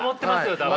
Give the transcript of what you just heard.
多分。